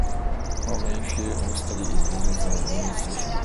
Her main field of study is Business and Administration.